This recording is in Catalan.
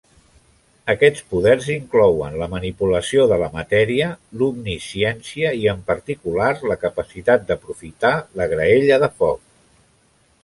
Aquests poders inclouen la manipulació de la matèria, l'omnisciència i, en particular, la capacitat d'aprofitar la graella de foc.